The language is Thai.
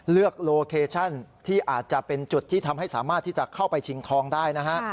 โลเคชั่นที่อาจจะเป็นจุดที่ทำให้สามารถที่จะเข้าไปชิงทองได้นะฮะ